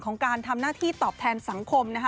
การทำหน้าที่ตอบแทนสังคมนะคะ